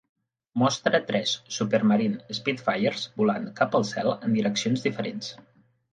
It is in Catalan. Mostra tres Supermarine Spitfires volant cap al cel en direccions diferents.